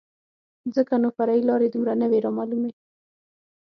ځکه نو فرعي لارې دومره نه وې رامعلومې.